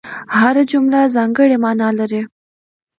هره جمله ځانګړې مانا لري.